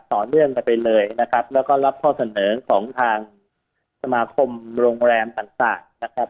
ต่อเนื่องกันไปเลยนะครับแล้วก็รับข้อเสนอของทางสมาคมโรงแรมต่างต่างนะครับ